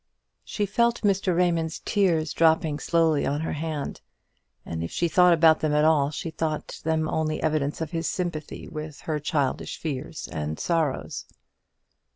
She felt Mr. Raymond's tears dropping slowly on her hand; and if she thought about them at all, she thought them only the evidence of his sympathy with her childish fears and sorrows.